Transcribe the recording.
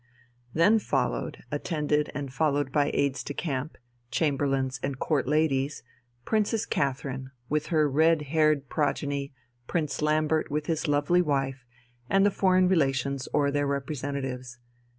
Then followed, attended and followed by aides de camp, chamberlains, and Court ladies, Princess Catherine, with her red haired progeny, Prince Lambert with his lovely wife, and the foreign relations or their representatives.